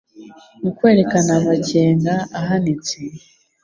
Mu kwerekana amakenga ahanitse,